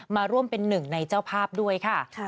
มาร่วมเป็นหนึ่งในเจ้าภาพด้วยค่ะ